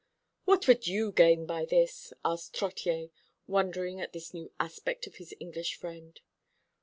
"What would you gain by this?" asked Trottier, wondering at this new aspect of his English friend.